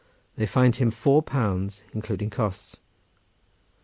They fined him four pounds, including costs.